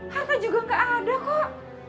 harta juga gak ada kok